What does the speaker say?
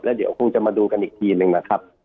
เดี๋ยวคงจะมาดูกันอีกทีนึงนะครับ